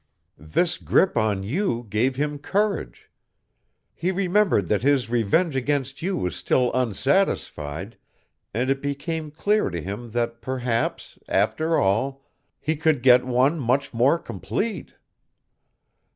This grip on you gave him courage. He remembered that his revenge against you was still unsatisfied and it became clear to him that perhaps, after all, he could get one much more complete.